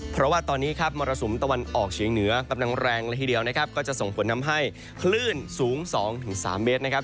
เพราะว่าตอนนี้ครับมรสุมตะวันออกเฉียงเหนือกำลังแรงละทีเดียวนะครับก็จะส่งผลทำให้คลื่นสูง๒๓เมตรนะครับ